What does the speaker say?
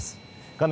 画面